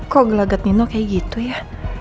kok gelagat nino kayak gitu ya